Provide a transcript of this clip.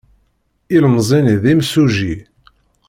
Ilemẓi-nni d imsujji.